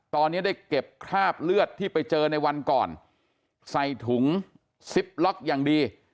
ตอนนี้ได้เก็บคราบเลือดที่ไปเจอในวันก่อนใส่ถุงซิปล็อกอย่างดี